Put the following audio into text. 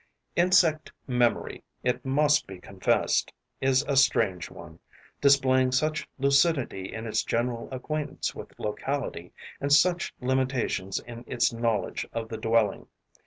Insect memory, it must be confessed, is a strange one, displaying such lucidity in its general acquaintance with locality and such limitations in its knowledge of the dwelling.